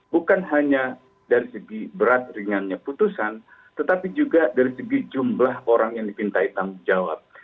bukan hanya dari segi berat ringannya putusan tetapi juga dari segi jumlah orang yang dipintai tanggung jawab